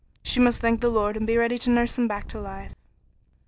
She must thank the Lord and be ready to nurse him back to life.